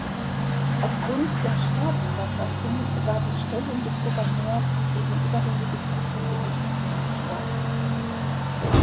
Aufgrund der Staatsverfassung war die Stellung des Gouverneurs gegenüber der Legislative nicht sehr stark.